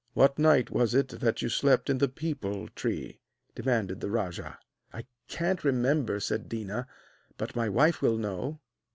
'What night was it that you slept in the peepul tree?' demanded the rajah. 'I can't remember,' said Déna; 'but my wife will know.'